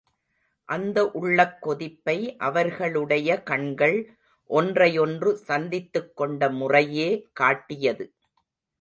அந்த உள்ளக் கொதிப்பை, அவர்களுடைய கண்கள் ஒன்றையொன்று சந்தித்துக்கொண்ட முறையே காட்டியது.